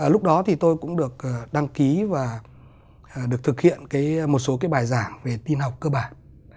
lúc đó thì tôi cũng được đăng ký và được thực hiện một số bài giảng về tin học cơ bản